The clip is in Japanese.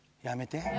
やめて。